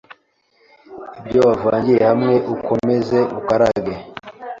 ibyo wavangiye hamwe ukomeze ukarange